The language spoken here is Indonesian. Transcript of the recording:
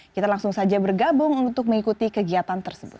kita langsung saja bergabung untuk mengikuti kegiatan tersebut